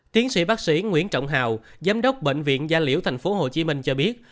tiến sĩ bác sĩ nguyễn trọng hào giám đốc bệnh viện gia liễu tp hcm cho biết